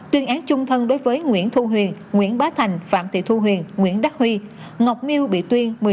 tuyên án chung thân đối với nguyễn thu huyền nguyễn bá thành phạm thị thu huyền nguyễn đắc huy ngọc miêu bị tuyên